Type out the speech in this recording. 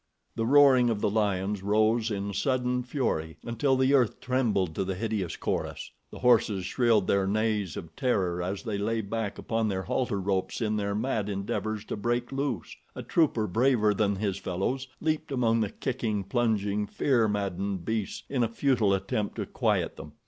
The roaring of the lions rose in sudden fury until the earth trembled to the hideous chorus. The horses shrilled their neighs of terror as they lay back upon their halter ropes in their mad endeavors to break loose. A trooper, braver than his fellows, leaped among the kicking, plunging, fear maddened beasts in a futile attempt to quiet them.